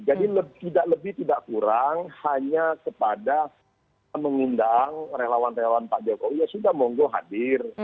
jadi tidak lebih tidak kurang hanya kepada mengundang relawan relawan pak jokowi ya sudah monggo hadir